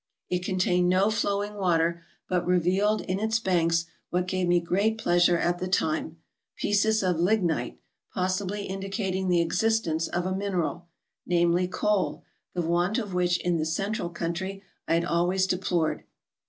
It contained no flowing water, but revealed in its banks what gave me great pleasure at the time — pieces of lignite, possibly indicating the existence of a mineral, namely, coal, the want of which in the central country I had always deplored.